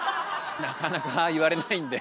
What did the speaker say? なかなか言われないんで。